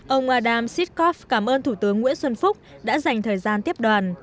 ông adam siskov cảm ơn thủ tướng nguyễn xuân phúc đã dành thời gian tiếp đoàn